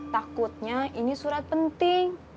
takutnya ini surat penting